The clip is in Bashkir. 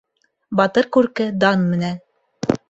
Батыр күрке дан менән.